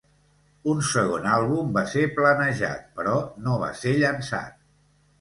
Un segon àlbum va ser planejat però no va ser llançat.